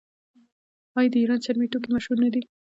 آیا د ایران چرمي توکي مشهور نه دي؟